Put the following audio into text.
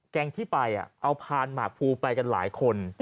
ที่ไปเอาพานหมากภูไปกันหลายคน